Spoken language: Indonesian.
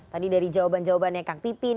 tadi dari jawaban jawabannya kang pipin